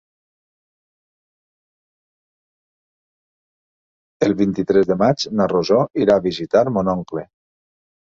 El vint-i-tres de maig na Rosó irà a visitar mon oncle.